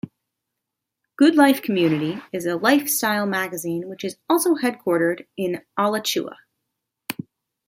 "Good Life Community" is a life-style magazine which is also headquartered in Alachua.